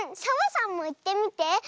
サボさんもいってみて。